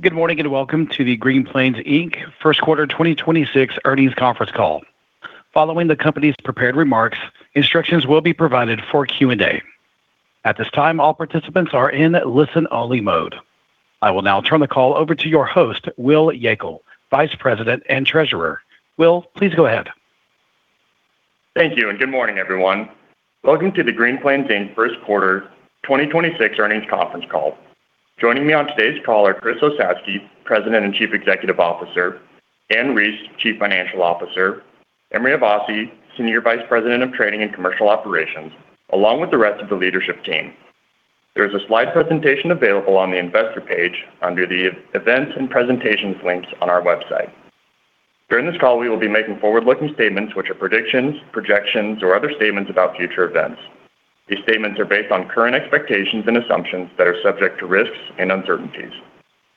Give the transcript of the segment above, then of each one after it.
Good morning, and welcome to the Green Plains Inc. First Quarter 2026 Earnings Conference Call. Following the company's prepared remarks, instructions will be provided for Q&A. At this time, all participants are in listen-only mode. I will now turn the call over to your host, Will Joekel, Vice President and Treasurer. Will, please go ahead. Thank you, and good morning, everyone. Welcome to the Green Plains Inc. First Quarter 2026 Earnings Conference Call. Joining me on today's call are Chris Osowski, President and Chief Executive Officer; Ann Reis, Chief Financial Officer; Imre Havasi, Senior Vice President of Trading and Commercial Operations, along with the rest of the leadership team. There is a slide presentation available on the investor page under the Events and Presentations links on our website. During this call, we will be making forward-looking statements, which are predictions, projections, or other statements about future events. These statements are based on current expectations and assumptions that are subject to risks and uncertainties.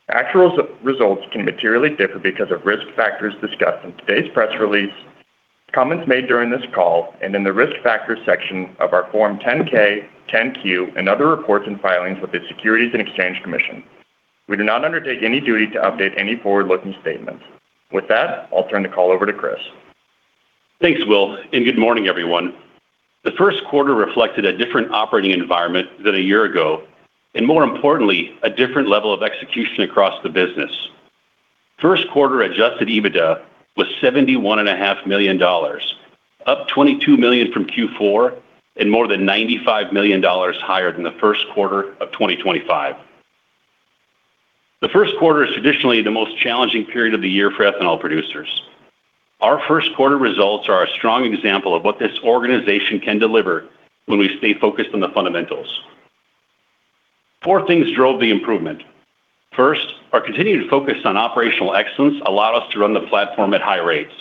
Actual results can materially differ because of risk factors discussed in today's press release, comments made during this call, and in the Risk Factors section of our Form 10-K, 10-Q, and other reports and filings with the Securities and Exchange Commission. We do not undertake any duty to update any forward-looking statements. With that, I'll turn the call over to Chris. Thanks, Will, good morning, everyone. The first quarter reflected a different operating environment than a year ago, and more importantly, a different level of execution across the business. First quarter adjusted EBITDA was $71.5 million, up $22 million from Q4 and more than $95 million higher than the first quarter of 2025. The first quarter is traditionally the most challenging period of the year for ethanol producers. Our first quarter results are a strong example of what this organization can deliver when we stay focused on the fundamentals. Four things drove the improvement. First, our continued focus on operational excellence allowed us to run the platform at high rates.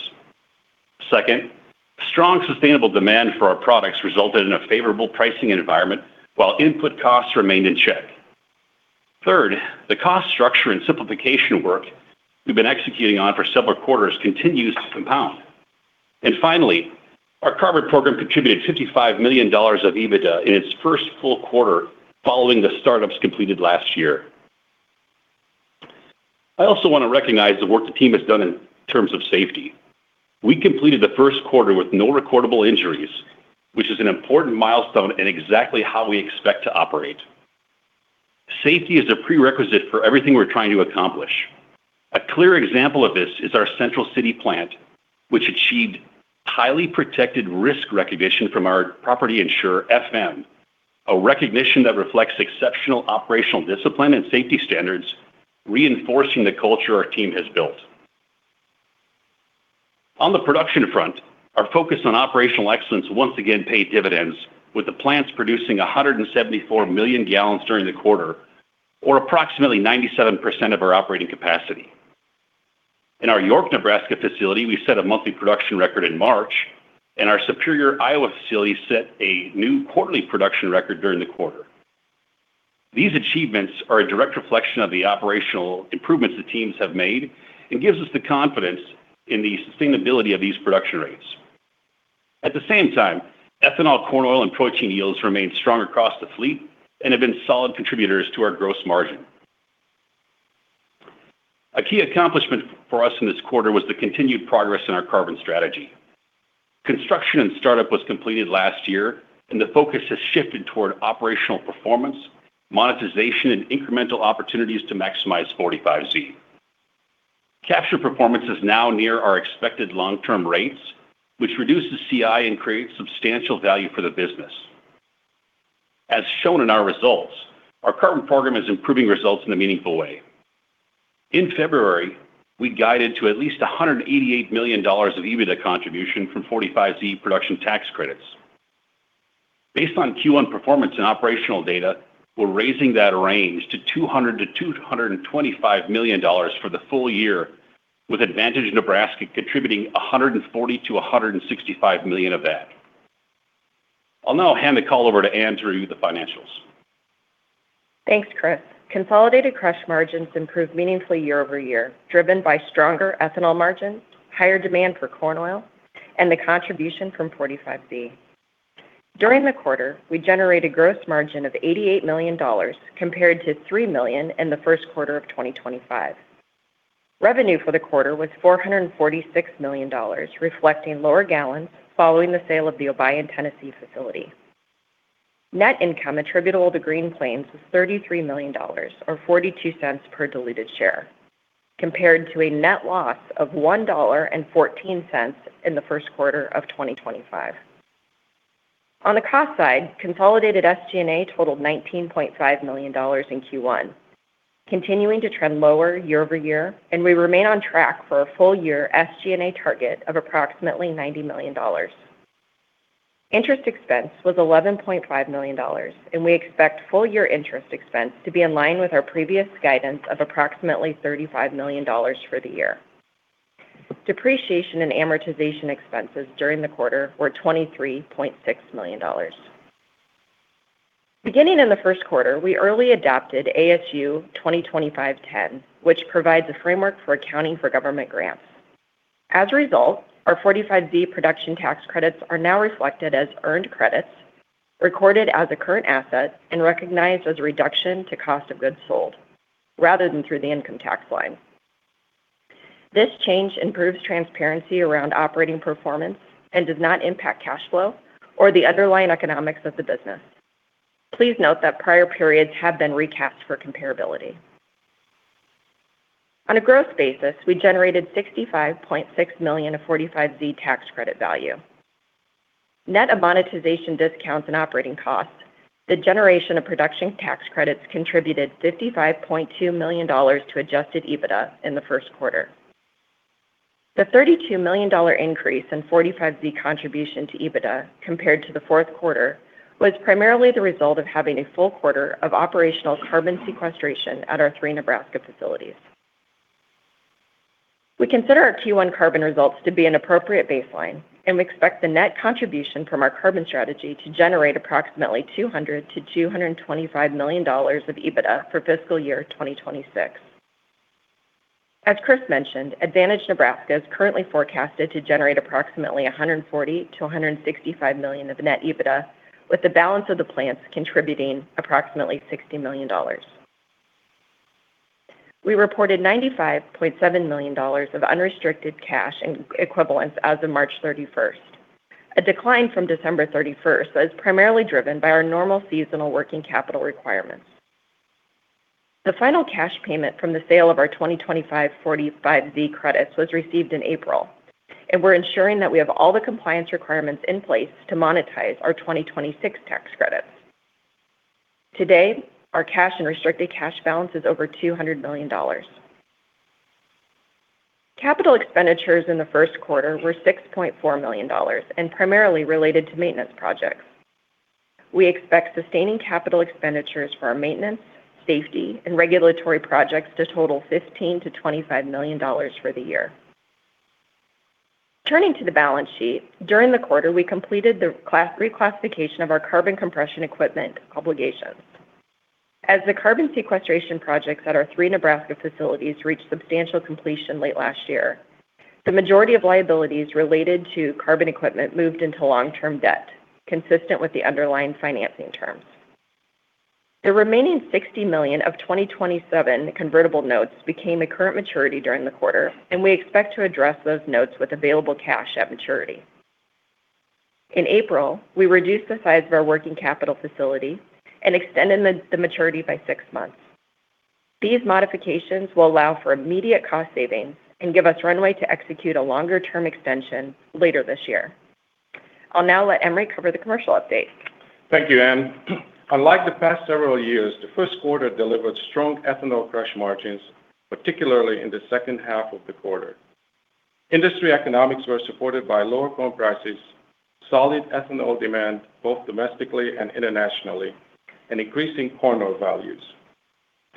Second, strong sustainable demand for our products resulted in a favorable pricing environment while input costs remained in check. Third, the cost structure and simplification work we've been executing on for several quarters continues to compound. Finally, our carbon program contributed $55 million of EBITDA in its first full quarter following the startups completed last year. I also want to recognize the work the team has done in terms of safety. We completed the first quarter with no recordable injuries, which is an important milestone and exactly how we expect to operate. Safety is a prerequisite for everything we're trying to accomplish. A clear example of this is our Central City plant, which achieved Highly Protected Risk recognition from our property insurer, FM Global, a recognition that reflects exceptional operational discipline and safety standards, reinforcing the culture our team has built. On the production front, our focus on operational excellence once again paid dividends with the plants producing 174 million gallons during the quarter, or approximately 97% of our operating capacity. In our York, Nebraska facility, we set a monthly production record in March, and our Superior, Iowa facility set a new quarterly production record during the quarter. These achievements are a direct reflection of the operational improvements the teams have made and gives us the confidence in the sustainability of these production rates. At the same time, ethanol, corn oil, and protein yields remain strong across the fleet and have been solid contributors to our gross margin. A key accomplishment for us in this quarter was the continued progress in our carbon strategy. Construction and startup was completed last year, and the focus has shifted toward operational performance, monetization, and incremental opportunities to maximize 45Z. Capture performance is now near our expected long-term rates, which reduces CI and creates substantial value for the business. As shown in our results, our carbon program is improving results in a meaningful way. In February, we guided to at least $188 million of EBITDA contribution from 45Z production tax credits. Based on Q1 performance and operational data, we're raising that range to $200 million-$225 million for the full year, with Advantage Nebraska contributing $140 million-$165 million of that. I'll now hand the call over to Ann to review the financials. Thanks, Chris. Consolidated crush margins improved meaningfully year-over-year, driven by stronger ethanol margins, higher demand for corn oil, and the contribution from 45Z. During the quarter, we generated gross margin of $88 million, compared to $3 million in the first quarter of 2025. Revenue for the quarter was $446 million, reflecting lower gallons following the sale of the Obion, Tennessee facility. Net income attributable to Green Plains was $33 million, or $0.42 per diluted share, compared to a net loss of $1.14 in the first quarter of 2025. On the cost side, consolidated SG&A totaled $19.5 million in Q1, continuing to trend lower year-over-year, and we remain on track for a full-year SG&A target of approximately $90 million. Interest expense was $11.5 million. We expect full-year interest expense to be in line with our previous guidance of approximately $35 million for the year. Depreciation and amortization expenses during the quarter were $23.6 million. Beginning in the first quarter, we early adopted ASU 2025-10, which provides a framework for accounting for government grants. As a result, our 45Z production tax credits are now reflected as earned credits recorded as a current asset and recognized as a reduction to cost of goods sold rather than through the income tax line. This change improves transparency around operating performance and does not impact cash flow or the underlying economics of the business. Please note that prior periods have been recapped for comparability. On a gross basis, we generated $65.6 million of 45Z tax credit value. Net of monetization discounts and operating costs, the generation of production tax credits contributed $55.2 million to adjusted EBITDA in the first quarter. The $32 million increase in 45Z contribution to EBITDA compared to the fourth quarter was primarily the result of having a full quarter of operational carbon sequestration at our three Nebraska facilities. We consider our Q1 carbon results to be an appropriate baseline, and we expect the net contribution from our carbon strategy to generate approximately $200 million-$225 million of EBITDA for fiscal year 2026. As Chris mentioned, Advantage Nebraska is currently forecasted to generate approximately $140 million-$165 million of net EBITDA, with the balance of the plants contributing approximately $60 million. We reported $95.7 million of unrestricted cash and equivalents as of March 31st. A decline from December 31st that is primarily driven by our normal seasonal working capital requirements. The final cash payment from the sale of our 2025 45Z credits was received in April, and we're ensuring that we have all the compliance requirements in place to monetize our 2026 tax credits. Today, our cash and restricted cash balance is over $200 million. Capital expenditures in the first quarter were $6.4 million and primarily related to maintenance projects. We expect sustaining CapEx for our maintenance, safety, and regulatory projects to total $15 million-$25 million for the year. Turning to the balance sheet, during the quarter, we completed the reclassification of our carbon compression equipment obligations. As the carbon sequestration projects at our three Nebraska facilities reached substantial completion late last year, the majority of liabilities related to carbon equipment moved into long-term debt, consistent with the underlying financing terms. The remaining $60 million of 2027 convertible notes became a current maturity during the quarter, and we expect to address those notes with available cash at maturity. In April, we reduced the size of our working capital facility and extended the maturity by six months. These modifications will allow for immediate cost savings and give us runway to execute a longer-term extension later this year. I'll now let Imre cover the commercial update. Thank you, Ann. Unlike the past several years, the first quarter delivered strong ethanol crush margins, particularly in the second half of the quarter. Industry economics were supported by lower corn prices, solid ethanol demand, both domestically and internationally, and increasing corn oil values.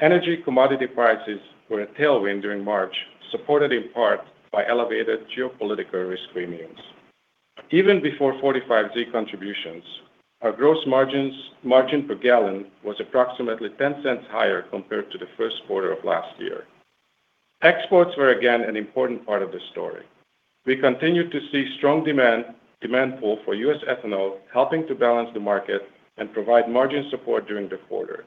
Energy commodity prices were a tailwind during March, supported in part by elevated geopolitical risk premiums. Even before 45Z contributions, our gross margin per gallon was approximately $0.10 higher compared to the first quarter of last year. Exports were again an important part of the story. We continue to see strong demand pull for U.S. ethanol, helping to balance the market and provide margin support during the quarter.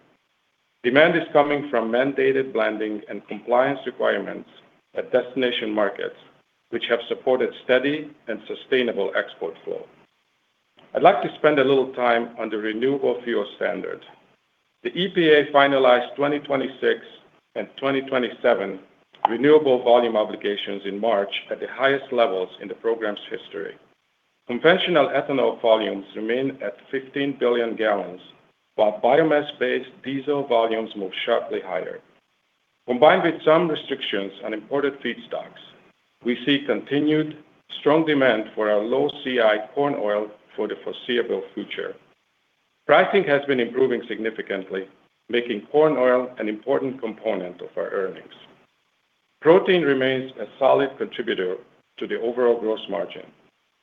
Demand is coming from mandated blending and compliance requirements at destination markets, which have supported steady and sustainable export flow. I'd like to spend a little time on the Renewable Fuel Standard. The EPA finalized 2026 and 2027 Renewable Volume Obligations in March at the highest levels in the program's history. Conventional ethanol volumes remain at 15 billion gallons, while biomass-based diesel volumes move sharply higher. Combined with some restrictions on imported feedstocks, we see continued strong demand for our low CI corn oil for the foreseeable future. Pricing has been improving significantly, making corn oil an important component of our earnings. Protein remains a solid contributor to the overall gross margin.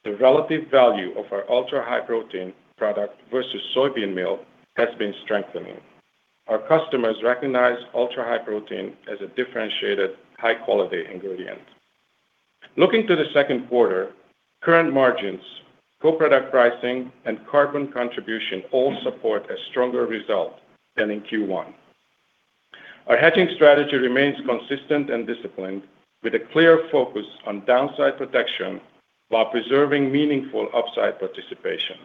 The relative value of our Ultra-High Protein product versus soybean meal has been strengthening. Our customers recognize Ultra-High Protein as a differentiated high-quality ingredient. Looking to the second quarter, current margins, co-product pricing, and carbon contribution all support a stronger result than in Q1. Our hedging strategy remains consistent and disciplined with a clear focus on downside protection while preserving meaningful upside participation.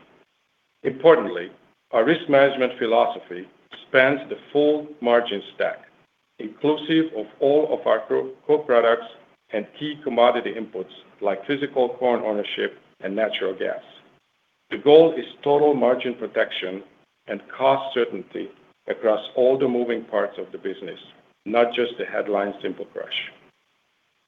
Importantly, our risk management philosophy spans the full margin stack, inclusive of all of our co-products and key commodity inputs like physical corn ownership and natural gas. The goal is total margin protection and cost certainty across all the moving parts of the business, not just the headline simple crush.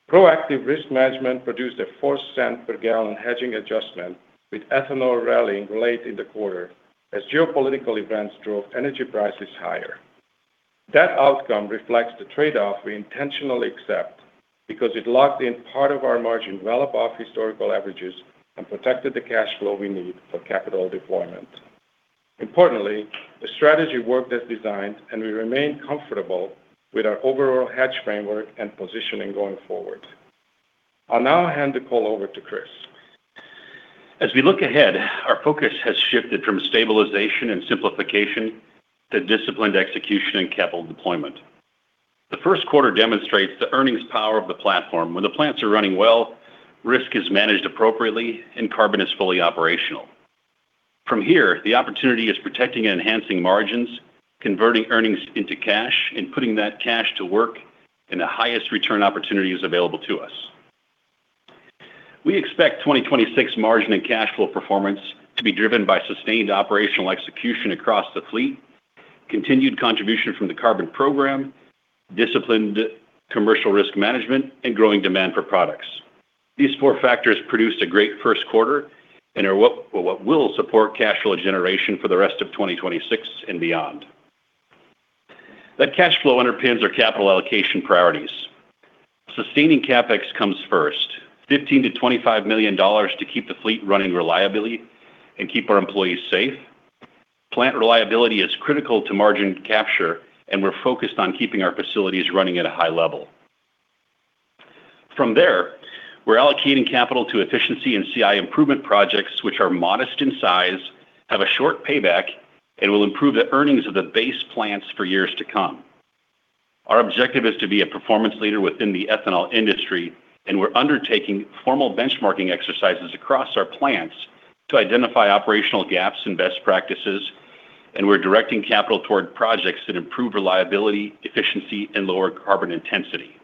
Proactive risk management produced a $0.04 per gallon hedging adjustment with ethanol rallying late in the quarter as geopolitical events drove energy prices higher. That outcome reflects the trade-off we intentionally accept because it locked in part of our margin well above historical averages and protected the cash flow we need for capital deployment. Importantly, the strategy work that's designed and we remain comfortable with our overall hedge framework and positioning going forward. I'll now hand the call over to Chris. As we look ahead, our focus has shifted from stabilization and simplification to disciplined execution and capital deployment. The first quarter demonstrates the earnings power of the platform when the plants are running well, risk is managed appropriately, and carbon is fully operational. From here, the opportunity is protecting and enhancing margins, converting earnings into cash, and putting that cash to work in the highest return opportunities available to us. We expect 2026 margin and cash flow performance to be driven by sustained operational execution across the fleet, continued contribution from the carbon program, disciplined commercial risk management, and growing demand for products. These four factors produced a great first quarter and are what will support cash flow generation for the rest of 2026 and beyond. That cash flow underpins our capital allocation priorities. Sustaining CapEx comes first. $15 million-$25 million to keep the fleet running reliably and keep our employees safe. Plant reliability is critical to margin capture, and we're focused on keeping our facilities running at a high level. From there, we're allocating capital to efficiency and CI improvement projects, which are modest in size, have a short payback, and will improve the earnings of the base plants for years to come. Our objective is to be a performance leader within the ethanol industry, and we're undertaking formal benchmarking exercises across our plants to identify operational gaps and best practices, and we're directing capital toward projects that improve reliability, efficiency, and lower carbon intensity.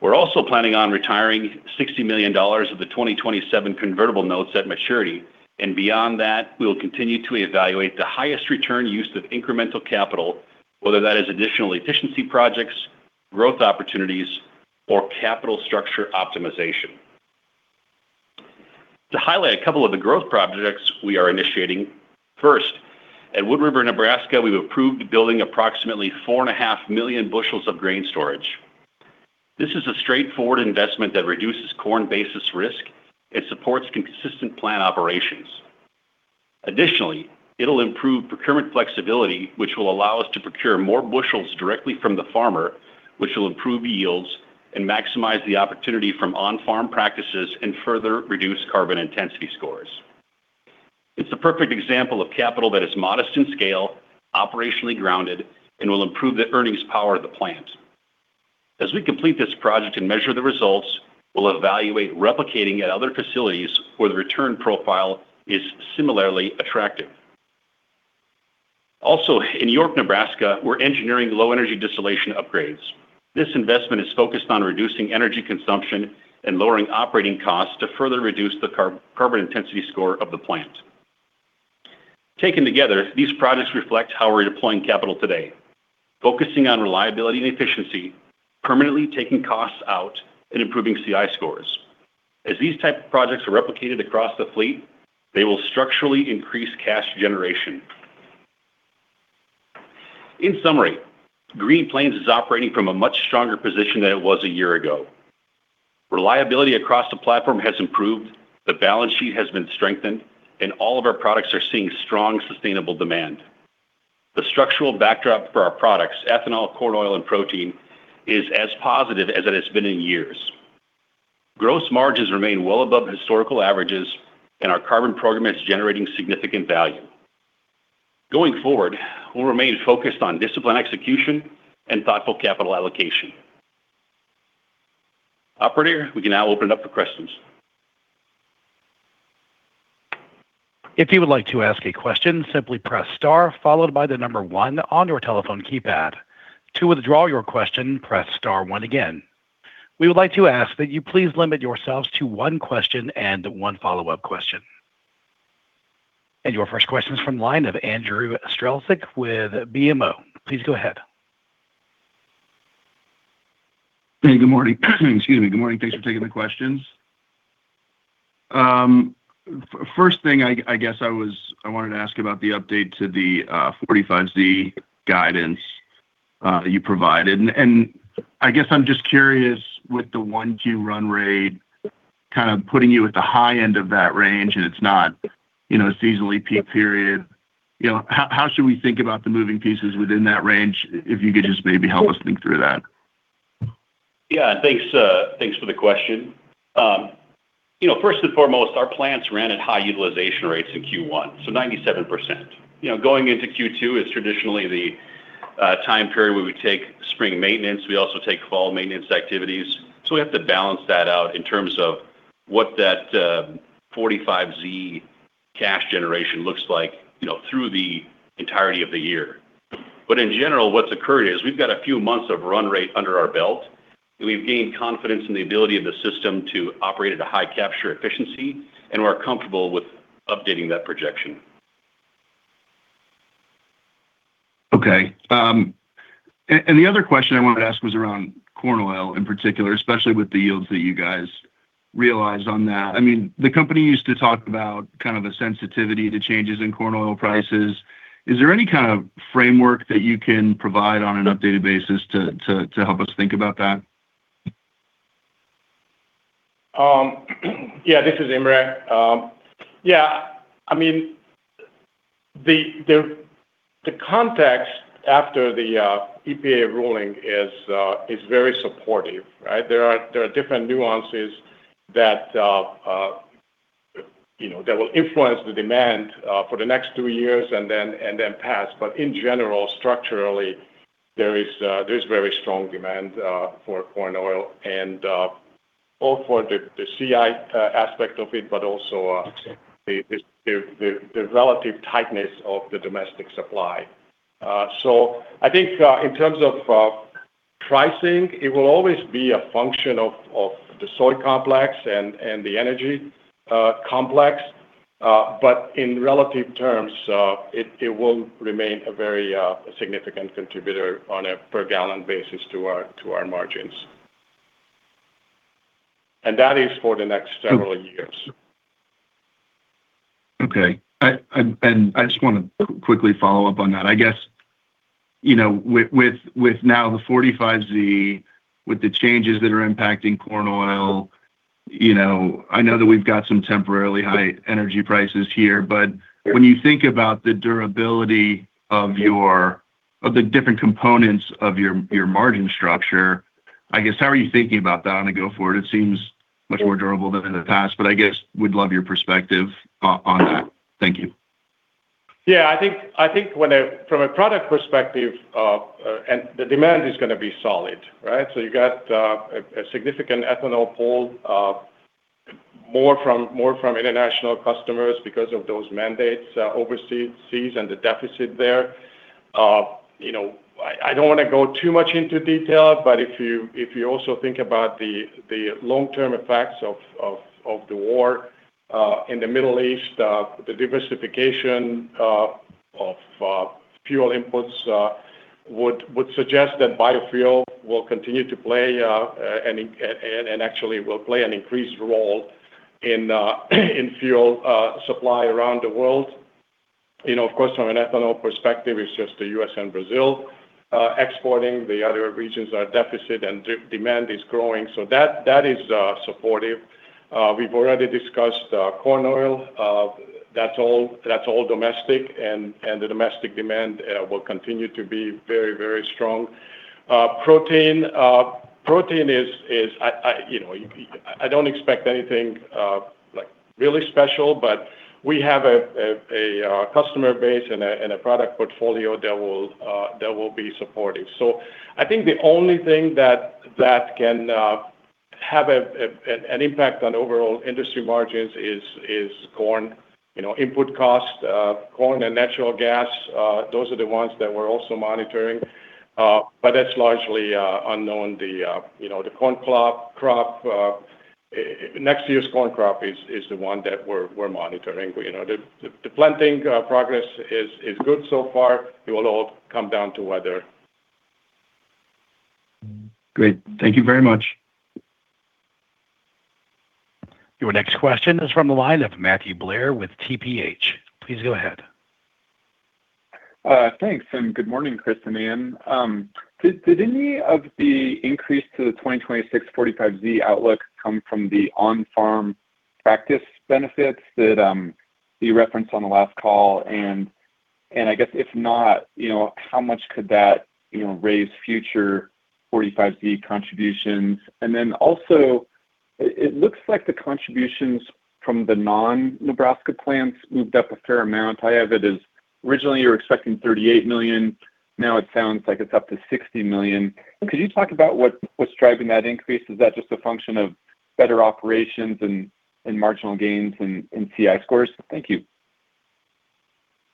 We're also planning on retiring $60 million of the 2027 convertible notes at maturity. Beyond that, we will continue to evaluate the highest return use of incremental capital, whether that is additional efficiency projects, growth opportunities, or capital structure optimization. To highlight a couple of the growth projects we are initiating, first, at Wood River, Nebraska, we've approved building approximately 4.5 million bushels of grain storage. This is a straightforward investment that reduces corn basis risk and supports consistent plant operations. Additionally, it'll improve procurement flexibility, which will allow us to procure more bushels directly from the farmer, which will improve yields and maximize the opportunity from on-farm practices and further reduce carbon intensity scores. It's the perfect example of capital that is modest in scale, operationally grounded, and will improve the earnings power of the plant. As we complete this project and measure the results, we'll evaluate replicating at other facilities where the return profile is similarly attractive. Also, in York, Nebraska, we're engineering low-energy distillation upgrades. This investment is focused on reducing energy consumption and lowering operating costs to further reduce the carbon intensity score of the plant. Taken together, these projects reflect how we're deploying capital today, focusing on reliability and efficiency, permanently taking costs out, and improving CI scores. As these type of projects are replicated across the fleet, they will structurally increase cash generation. In summary, Green Plains is operating from a much stronger position than it was a year ago. Reliability across the platform has improved, the balance sheet has been strengthened, and all of our products are seeing strong, sustainable demand. The structural backdrop for our products, ethanol, corn oil, and protein, is as positive as it has been in years. Gross margins remain well above historical averages, our carbon program is generating significant value. Going forward, we'll remain focused on disciplined execution and thoughtful capital allocation. Operator, we can now open it up for questions. Your first question is from line of Andrew Strelzik with BMO. Please go ahead. Hey, good morning. Excuse me. Good morning. Thanks for taking the questions. First thing I wanted to ask about the update to the 45Z guidance you provided. I guess I'm just curious with the 1Q run rate kind of putting you at the high end of that range, it's not, you know, seasonally peak period. You know, how should we think about the moving pieces within that range, if you could just maybe help us think through that? Thanks for the question. You know, first and foremost, our plants ran at high utilization rates in Q1, so 97%. You know, going into Q2 is traditionally the time period where we take spring maintenance. We also take fall maintenance activities. We have to balance that out in terms of what that 45Z cash generation looks like, you know, through the entirety of the year. In general, what's occurred is we've got a few months of run rate under our belt, and we've gained confidence in the ability of the system to operate at a high capture efficiency, and we're comfortable with updating that projection. Okay. The other question I wanted to ask was around corn oil in particular, especially with the yields that you guys realized on that. I mean, the company used to talk about kind of a sensitivity to changes in corn oil prices. Is there any kind of framework that you can provide on an updated basis to help us think about that? Yeah, this is Imre. Yeah, I mean, the context after the EPA ruling is very supportive, right? There are different nuances that, you know, that will influence the demand for the next two years and then, and then pass. In general, structurally there is very strong demand for corn oil and both for the CI aspect of it, but also the relative tightness of the domestic supply. I think, in terms of pricing, it will always be a function of the soy complex and the energy complex. In relative terms, it will remain a very significant contributor on a per gallon basis to our margins. That is for the next several years. Okay. I just want to quickly follow up on that. I guess, you know, with now the 45Z, with the changes that are impacting corn oil, you know, I know that we've got some temporarily high energy prices here. When you think about the durability of the different components of your margin structure, I guess, how are you thinking about that on a go forward? It seems much more durable than in the past, I guess we'd love your perspective on that. Thank you. Yeah. I think, I think from a product perspective, the demand is gonna be solid, right? You got a significant ethanol pull, more from international customers because of those mandates overseas and the deficit there. You know, I don't wanna go too much into detail, if you also think about the long-term effects of the war in the Middle East, the diversification of fuel inputs would suggest that biofuel will continue to play and actually will play an increased role in fuel supply around the world. You know, of course, from an ethanol perspective, it's just the U.S. and Brazil exporting. The other regions are deficit and demand is growing. That is supportive. We've already discussed corn oil. That's all domestic and the domestic demand will continue to be very strong. Protein is I, you know, you, I don't expect anything like really special, but we have a customer base and a product portfolio that will be supportive. I think the only thing that can have an impact on overall industry margins is corn. You know, input costs, corn and natural gas, those are the ones that we're also monitoring. That's largely unknown. The, you know, the corn crop, next year's corn crop is the one that we're monitoring. You know, the planting progress is good so far. It will all come down to weather. Great. Thank you very much. Your next question is from the line of Matthew Blair with TPH. Please go ahead. Thanks, good morning, Chris and Ann. Did any of the increase to the 2026 45Z outlook come from the on-farm practice benefits that you referenced on the last call? I guess if not, you know, how much could that, you know, raise future 45Z contributions? Also, it looks like the contributions from the non-Nebraska plants moved up a fair amount. I have it as originally you were expecting $38 million. Now it sounds like it's up to $60 million. Could you talk about what's driving that increase? Is that just a function of better operations and marginal gains in CI scores? Thank you.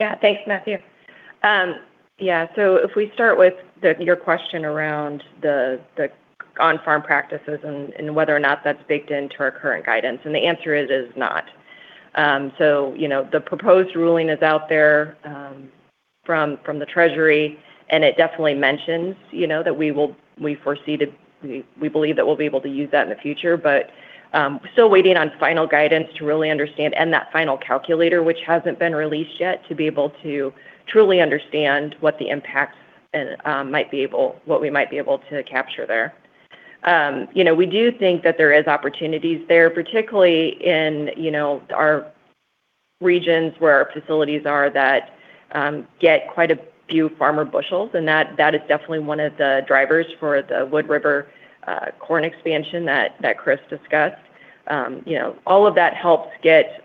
Thanks, Matthew. If we start with your question around the on-farm practices and whether or not that's baked into our current guidance, the answer is not. You know, the proposed ruling is out there from the Treasury, it definitely mentions, you know, that we believe that we'll be able to use that in the future. Still waiting on final guidance to really understand, and that final calculator, which hasn't been released yet, to be able to truly understand what the impacts and what we might be able to capture there. You know, we do think that there is opportunities there, particularly in, you know, our regions where our facilities are that get quite a few farmer bushels. That is definitely one of the drivers for the Wood River corn expansion that Chris discussed. You know, all of that helps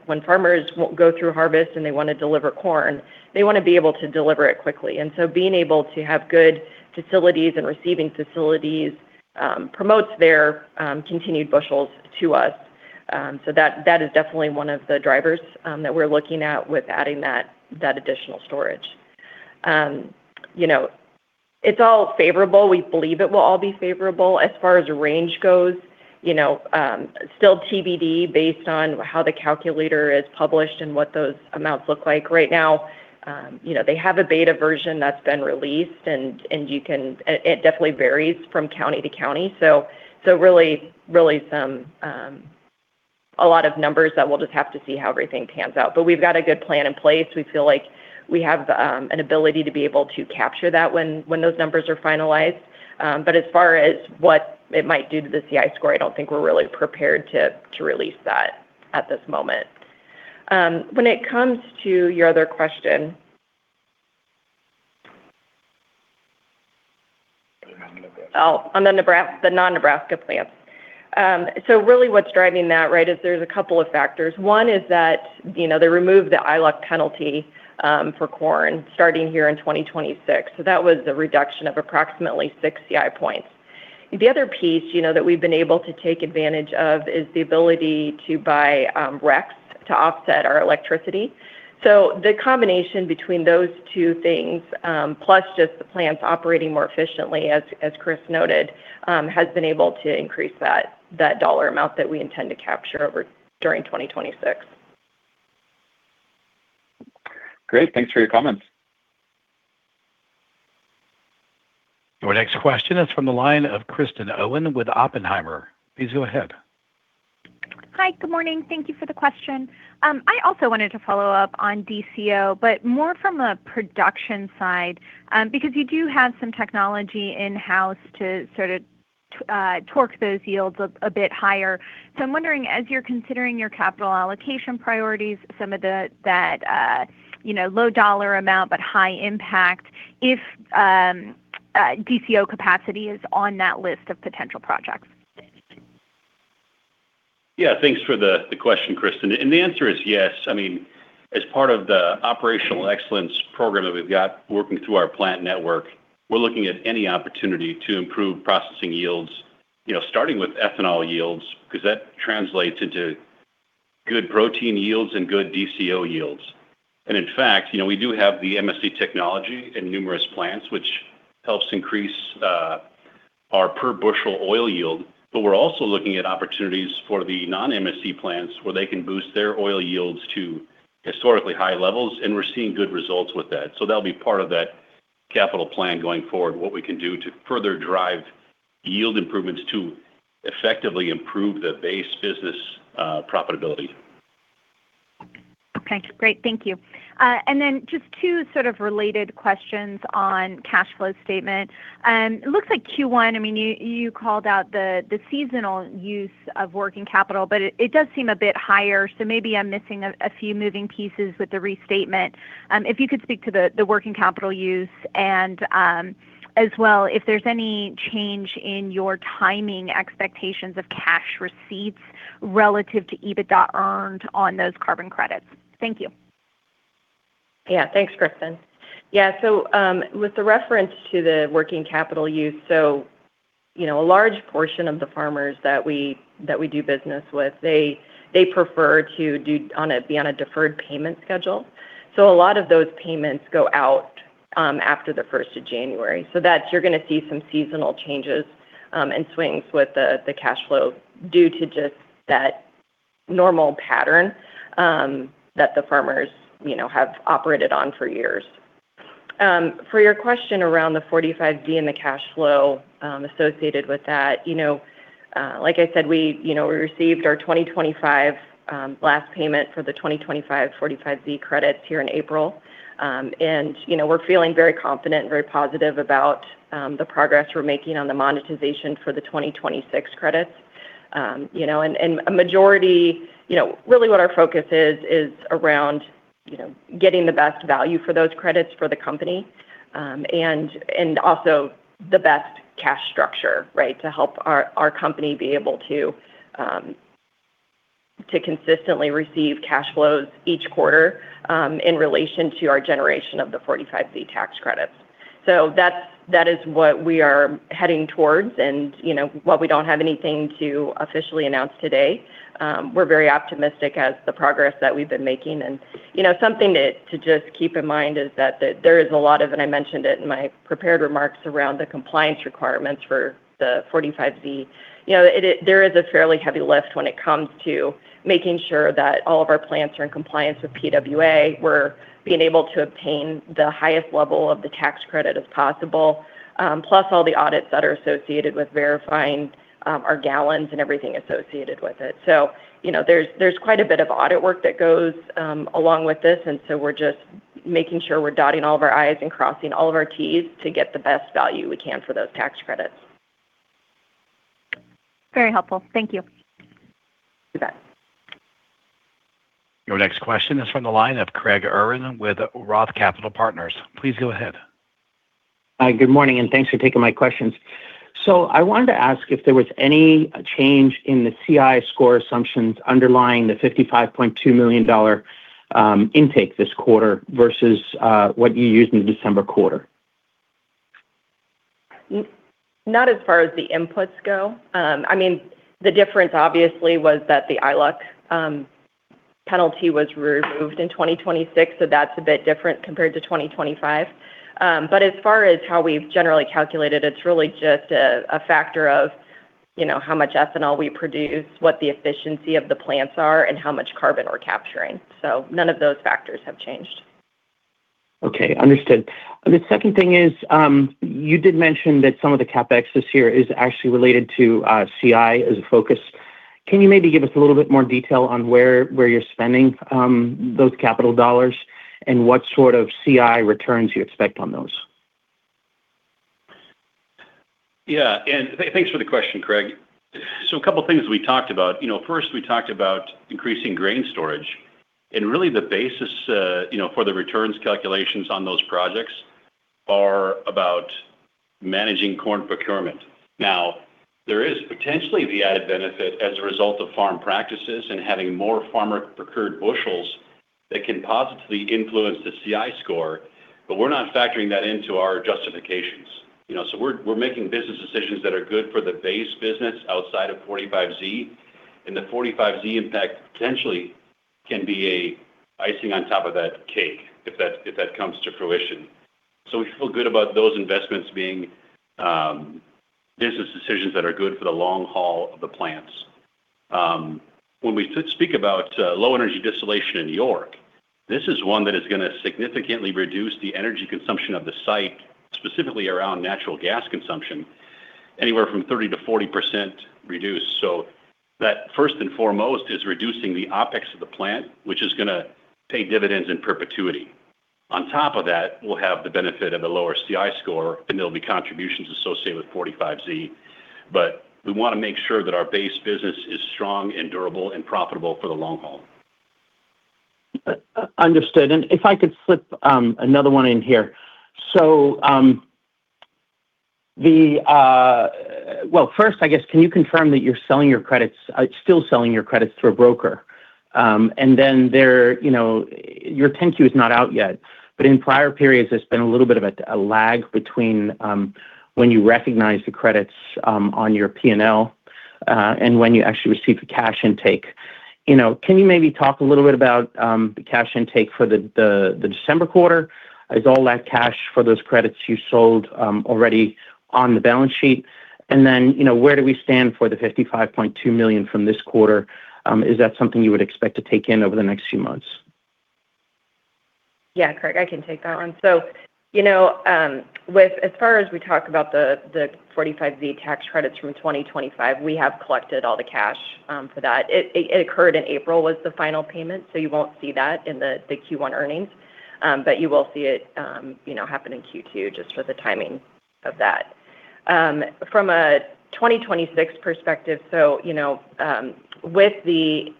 when farmers go through harvest and they want to deliver corn, they want to be able to deliver it quickly. Being able to have good facilities and receiving facilities promotes their continued bushels to us. That is definitely one of the drivers that we're looking at with adding that additional storage. You know, it's all favorable. We believe it will all be favorable as far as range goes. You know, still TBD based on how the calculator is published and what those amounts look like right now. You know, they have a beta version that's been released and it definitely varies from county to county. A lot of numbers that we'll just have to see how everything pans out. We've got a good plan in place. We feel like we have an ability to be able to capture that when those numbers are finalized. As far as what it might do to the CI score, I don't think we're really prepared to release that at this moment. When it comes to your other question. On the non-Nebraska plants. Really what's driving that, right, is there's a couple of factors. One is that, you know, they removed the iLUC penalty for corn starting here in 2026. That was a reduction of approximately 6 CI points. The other piece, you know, that we've been able to take advantage of is the ability to buy RECs to offset our electricity. The combination between those two things, plus just the plants operating more efficiently, as Chris noted, has been able to increase that dollar amount that we intend to capture during 2026. Great. Thanks for your comments. Your next question is from the line of Kristen Owen with Oppenheimer. Please go ahead. Hi, good morning. Thank you for the question. I also wanted to follow up on DCO, but more from a production side, because you do have some technology in-house to sort of torque those yields a bit higher. I'm wondering, as you're considering your capital allocation priorities, some of the, you know, low dollar amount but high impact, if DCO capacity is on that list of potential projects? Thanks for the question, Kristen. The answer is yes. I mean, as part of the operational excellence program that we've got working through our plant network, we're looking at any opportunity to improve processing yields, you know, starting with ethanol yields, 'cause that translates into good protein yields and good DCO yields. In fact, you know, we do have the MSC technology in numerous plants, which helps increase our per bushel oil yield, but we're also looking at opportunities for the non-MSC plants where they can boost their oil yields to historically high levels, and we're seeing good results with that. That'll be part of that capital plan going forward, what we can do to further drive yield improvements to effectively improve the base business profitability. Okay. Great. Thank you. Then just two sort of related questions on cash flow statement. It looks like Q1, I mean, you called out the seasonal use of working capital, but it does seem a bit higher, so maybe I'm missing a few moving pieces with the restatement. If you could speak to the working capital use as well, if there's any change in your timing expectations of cash receipts relative to EBITDA earned on those carbon credits. Thank you. Yeah. Thanks, Kristen. Yeah. With the reference to the working capital use, you know, a large portion of the farmers that we do business with, they prefer to be on a deferred payment schedule. A lot of those payments go out after the first of January. That's you're gonna see some seasonal changes and swings with the cash flow due to just that normal pattern that the farmers, you know, have operated on for years. For your question around the 45Z and the cash flow associated with that, you know, like I said, we, you know, we received our 2025, last payment for the 2025 45Z credits here in April. You know, we're feeling very confident and very positive about the progress we're making on the monetization for the 2026 credits. You know, really what our focus is around, you know, getting the best value for those credits for the company, and also the best cash structure, right, to help our company be able to consistently receive cash flows each quarter in relation to our generation of the 45Z tax credits. That is what we are heading towards. You know, while we don't have anything to officially announce today, we're very optimistic as the progress that we've been making. You know, something to just keep in mind is that there is a lot of, and I mentioned it in my prepared remarks around the compliance requirements for the 45Z. You know, there is a fairly heavy lift when it comes to making sure that all of our plants are in compliance with PWA. We're being able to obtain the highest level of the tax credit as possible, plus all the audits that are associated with verifying our gallons and everything associated with it. You know, there's quite a bit of audit work that goes along with this, we're just making sure we're dotting all of our I's and crossing all of our T's to get the best value we can for those tax credits. Very helpful. Thank you. You bet. Your next question is from the line of Craig Irwin with Roth Capital Partners. Please go ahead. Hi, good morning, thanks for taking my questions. I wanted to ask if there was any change in the CI score assumptions underlying the $55.2 million intake this quarter versus what you used in the December quarter? Not as far as the inputs go. I mean, the difference obviously was that the iLUC penalty was removed in 2026, so that's a bit different compared to 2025. As far as how we've generally calculated, it's really just a factor of, you know, how much ethanol we produce, what the efficiency of the plants are, and how much carbon we're capturing. None of those factors have changed. Okay. Understood. The second thing is, you did mention that some of the CapEx this year is actually related to, CI as a focus. Can you maybe give us a little bit more detail on where you're spending those capital dollars and what sort of CI returns you expect on those? Thanks for the question, Craig. A couple of things we talked about. You know, first, we talked about increasing grain storage, really the basis, you know, for the returns calculations on those projects are about managing corn procurement. There is potentially the added benefit as a result of farm practices and having more farmer-procured bushels that can positively influence the CI score, we're not factoring that into our justifications. You know, we're making business decisions that are good for the base business outside of 45Z, the 45Z impact potentially can be a icing on top of that cake if that comes to fruition. We feel good about those investments being business decisions that are good for the long haul of the plants. When we speak about low energy distillation in York, this is one that is gonna significantly reduce the energy consumption of the site, specifically around natural gas consumption, anywhere from 30%-40% reduced. That first and foremost is reducing the OpEx of the plant, which is gonna pay dividends in perpetuity. On top of that, we'll have the benefit of a lower CI score, and there'll be contributions associated with 45Z. We wanna make sure that our base business is strong and durable and profitable for the long haul. Understood. If I could slip another one in here. First, I guess, can you confirm that you're still selling your credits through a broker? You know, your Form 10-Q is not out yet, but in prior periods, there's been a little bit of a lag between when you recognize the credits on your P&L and when you actually receive the cash intake. You know, can you maybe talk a little bit about the cash intake for the December quarter? Is all that cash for those credits you sold already on the balance sheet? You know, where do we stand for the $55.2 million from this quarter? Is that something you would expect to take in over the next few months? Craig, I can take that one. You know, as far as we talk about the 45Z tax credits from 2025, we have collected all the cash for that. It occurred in April was the final payment, you won't see that in the Q1 earnings. You will see it, you know, happen in Q2 just for the timing of that. From a 2026 perspective, you know, with the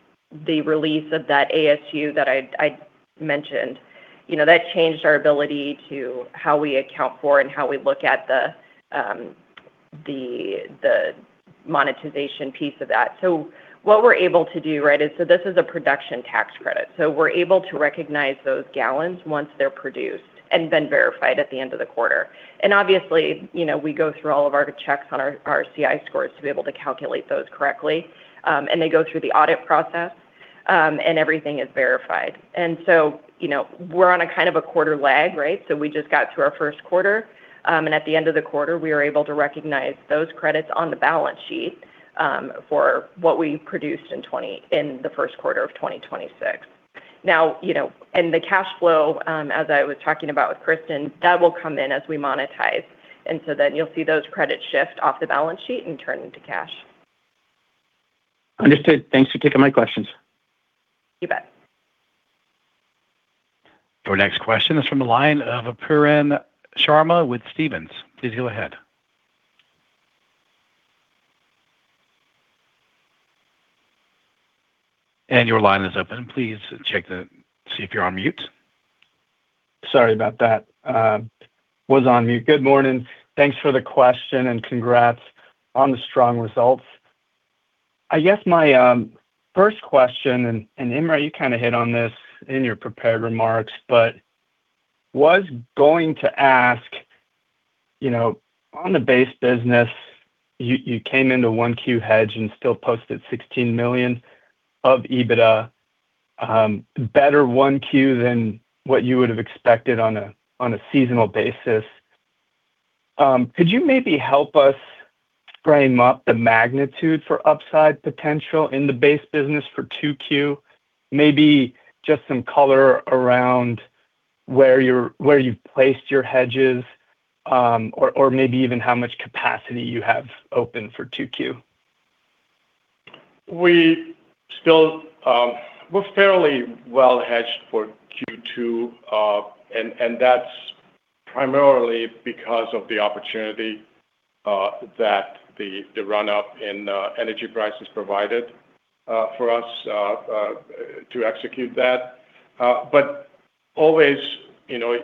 release of that ASU that I mentioned, you know, that changed our ability to how we account for and how we look at the monetization piece of that. What we're able to do, right, is this is a production tax credit. We're able to recognize those gallons once they're produced and been verified at the end of the quarter. Obviously, you know, we go through all of our checks on our CI scores to be able to calculate those correctly. They go through the audit process, and everything is verified. You know, we're on a kind of a quarter lag, right? We just got through our first quarter. At the end of the quarter, we are able to recognize those credits on the balance sheet for what we produced in the first quarter of 2026. You know, the cash flow, as I was talking about with Kristen, that will come in as we monetize. You'll see those credits shift off the balance sheet and turn into cash. Understood. Thanks for taking my questions. You bet. Our next question is from the line of Pooran Sharma with Stephens. Please go ahead. Your line is open. Please see if you're on mute. Sorry about that. Was on mute. Good morning. Thanks for the question, congrats on the strong results. I guess my first question, and Imre, you kinda hit on this in your prepared remarks, but was going to ask, you know, on the base business, you came into 1Q hedge and still posted $16 million of EBITDA, better 1Q than what you would have expected on a seasonal basis. Could you maybe help us frame up the magnitude for upside potential in the base business for 2Q? Maybe just some color around where you've placed your hedges, or maybe even how much capacity you have open for 2Q. We're fairly well hedged for Q2, and that's primarily because of the opportunity that the run-up in energy prices provided for us to execute that. Always, you know,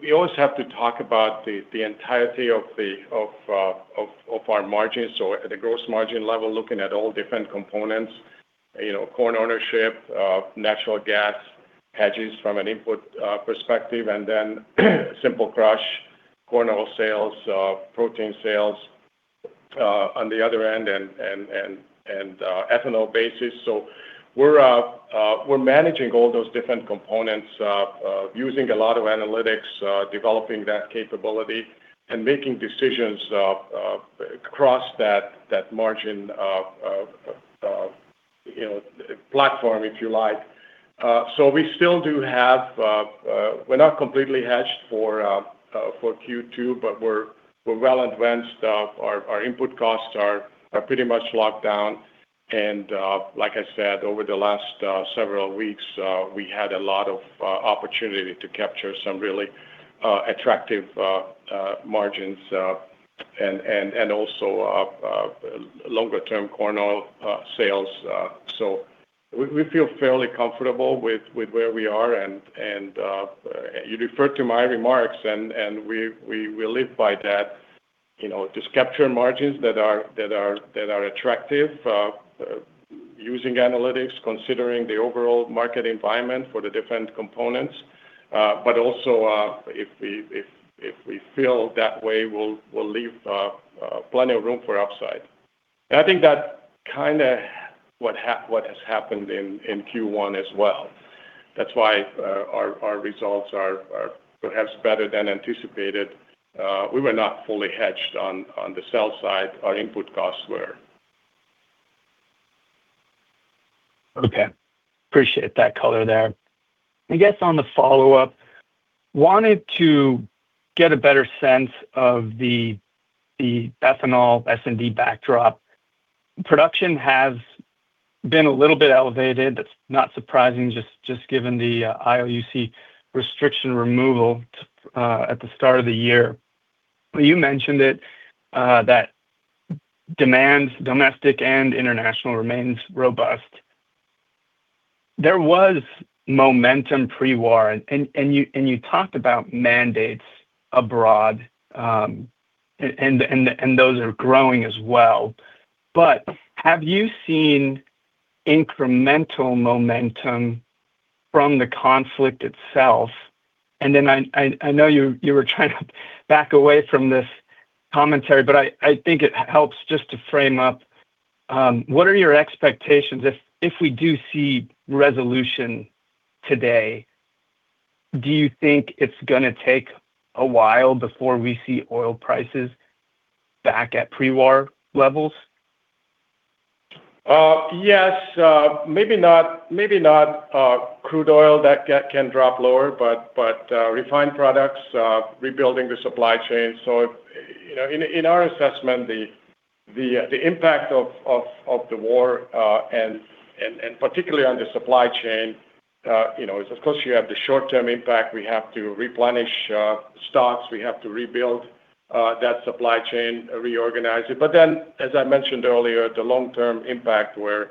we always have to talk about the entirety of our margins. At a gross margin level, looking at all different components, you know, corn ownership, natural gas hedges from an input perspective, and then simple crush, corn oil sales, protein sales on the other end and ethanol basis. We're managing all those different components using a lot of analytics, developing that capability and making decisions across that margin. You know, platform, if you like. We still do have, We're not completely hedged for Q2, but we're well advanced. Our input costs are pretty much locked down. Like I said, over the last several weeks, we had a lot of opportunity to capture some really attractive margins, and also longer term corn oil sales. We feel fairly comfortable with where we are. You referred to my remarks and we live by that, you know, just capturing margins that are attractive, using analytics, considering the overall market environment for the different components. Also, if we feel that way, we'll leave plenty of room for upside. I think that's kind of what has happened in Q1 as well. That's why our results are perhaps better than anticipated. We were not fully hedged on the sell side. Our input costs were. Okay. Appreciate that color there. On the follow-up, wanted to get a better sense of the ethanol S&D backdrop. Production has been a little bit elevated. That's not surprising, just given the iLUC restriction removal at the start of the year. You mentioned it, that demand, domestic and international remains robust. There was momentum pre-war and you talked about mandates abroad, and those are growing as well. Have you seen incremental momentum from the conflict itself? I know you were trying to back away from this commentary, but I think it helps just to frame up what are your expectations if we do see resolution today? Do you think it's gonna take a while before we see oil prices back at pre-war levels? Yes. maybe not, maybe not crude oil that can drop lower, but refined products, rebuilding the supply chain. You know, in our assessment, the impact of the war, and particularly on the supply chain, you know, of course you have the short-term impact. We have to replenish stocks. We have to rebuild that supply chain, reorganize it. As I mentioned earlier, the long-term impact where,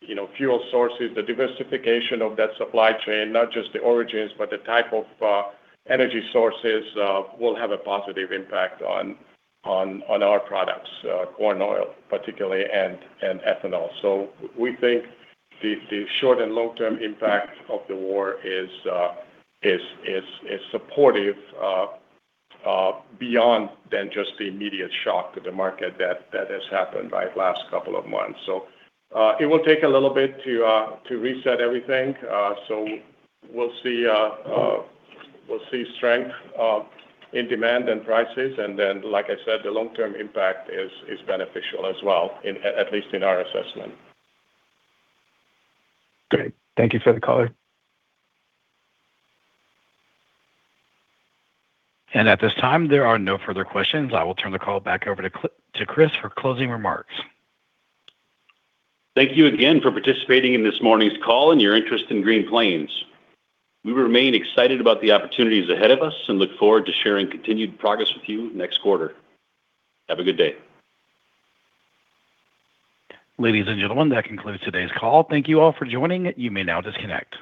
you know, fuel sources, the diversification of that supply chain, not just the origins, but the type of energy sources, will have a positive impact on our products, corn oil particularly, and ethanol. We think the short and long-term impact of the war is supportive beyond than just the immediate shock to the market that has happened by last couple of months. It will take a little bit to reset everything. We'll see strength in demand and prices, and then, like I said, the long-term impact is beneficial as well at least in our assessment. Great. Thank you for the color. At this time, there are no further questions. I will turn the call back over to Chris for closing remarks. Thank you again for participating in this morning's call and your interest in Green Plains. We remain excited about the opportunities ahead of us and look forward to sharing continued progress with you next quarter. Have a good day. Ladies and gentlemen, that concludes today's call. Thank you all for joining. You may now disconnect.